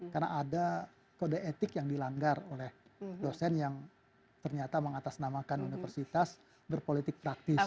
karena ada kode etik yang dilanggar oleh dosen yang ternyata mengatasnamakan universitas berpolitik praktis